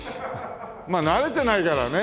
まあ慣れてないからね。